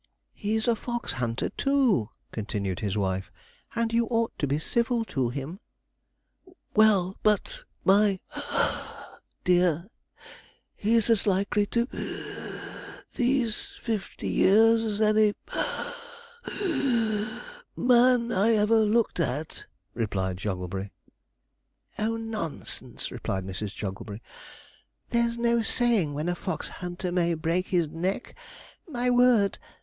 'He's a fox hunter, too,' continued his wife; 'and you ought to be civil to him.' 'Well, but, my (puff) dear, he's as likely to (wheeze) these fifty years as any (puff, wheeze) man I ever looked at,' replied Jogglebury. 'Oh, nonsense,' replied Mrs. Jogglebury; 'there's no saying when a fox hunter may break his neck. My word!